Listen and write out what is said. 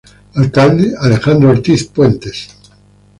Alcalde: Alejandro Ortiz Puentes